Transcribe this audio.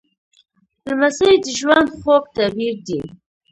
لمسی د ژوند خوږ تعبیر دی.